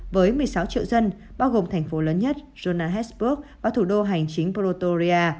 với một mươi sáu triệu dân bao gồm thành phố lớn nhất jona hesburgh và thủ đô hành chính pretoria